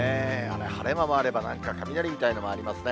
晴れ間もあれば、なんか雷みたいなのもありますね。